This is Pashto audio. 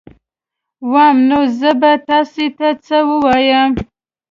وام نو زه به تاسي ته څه ووایم